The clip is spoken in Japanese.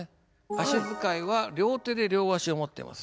足遣いは両手で両足を持ってます。